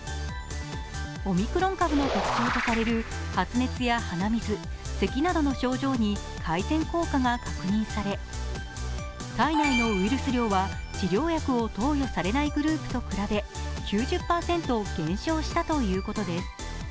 オミクロン株の特徴とされる発熱や鼻水、咳などの症状に改善効果が確認され体内のウイルス量は治療薬を投与されないグループと比べ９０％減少したということです。